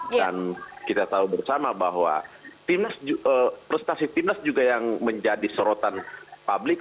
dan kita tahu bersama bahwa prestasi timnas juga yang menjadi serotan publik